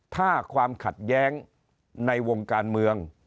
ถ้าความขัดแย้งในวงการเมือง